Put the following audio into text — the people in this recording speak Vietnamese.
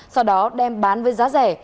sau đó đem bán với giá rẻ